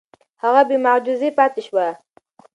هغه بې معجزې پاتې شوه.